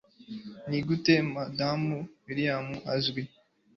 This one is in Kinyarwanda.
Nigute Madamu William Azwi?